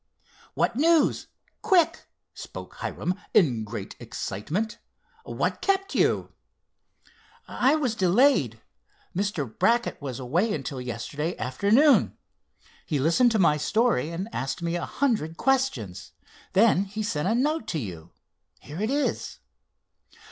"What news? Quick!" spoke Hiram, in great excitement. "What kept you?" "I was delayed. Mr. Brackett was away until yesterday afternoon. He listened to my story and asked me a hundred questions. Then he sent a note to you. Here it is."